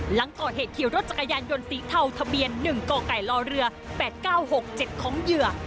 หลังก่อเหตุขี่รถจักรยานยนต์สีเทาทะเบียน๑กไก่ลเรือ๘๙๖๗ของเหยื่อ